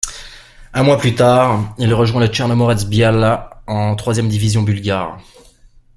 Un mois plus tard, il rejoint le Tchernomorets Byala en troisième division bulgare.